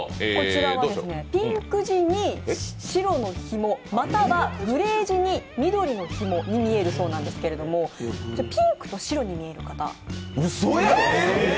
ピンク地に白のひも、またはグレー地に緑のひもに見えるそうなんですがピンクと白に見える方？